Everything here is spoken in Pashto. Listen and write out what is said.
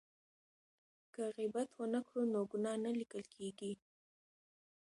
که غیبت ونه کړو نو ګناه نه لیکل کیږي.